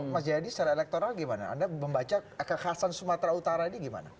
mas jayadi secara elektoral gimana anda membaca kekhasan sumatera utara ini gimana